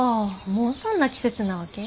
もうそんな季節なわけ？